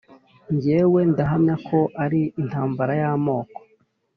jyewe ndahamya ko ari intambara y’amoko,